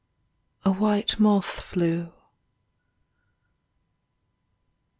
. A white moth flew.